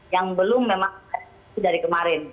yang belum memang dari kemarin